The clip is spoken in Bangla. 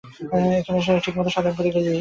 এখন ঠিকমত সাধন করে গেলেই অল্পে অল্পে এগোতে পারব।